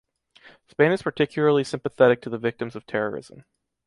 Spain is particularly sympathetic to the victims of terrorism.